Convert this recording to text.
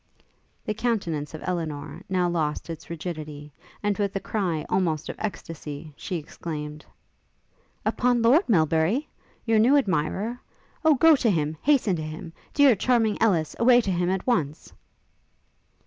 The countenance of Elinor now lost its rigidity, and with a cry almost of extacy, she exclaimed, 'Upon Lord Melbury? your new admirer? O go to him! hasten to him! dear, charming Ellis, away to him at once!